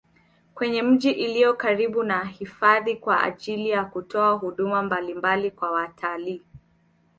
Kwenye miji iliyo karibu na hifadhi kwa ajili ya kutoa huduma mbalimbali kwa watalii